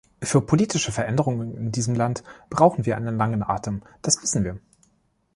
Für politische Veränderungen in diesem Land brauchen wir einen langen Atem, das wissen wir.